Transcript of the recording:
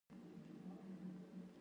هغه استاد چې کتاب یې لیکلی و ډېر لایق و.